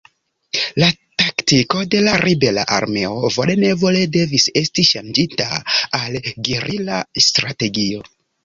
La taktiko de la ribela armeo vole-nevole devis esti ŝanĝita al gerila strategio.